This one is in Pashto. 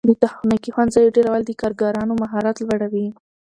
د تخنیکي ښوونځیو ډیرول د کارګرانو مهارت لوړوي.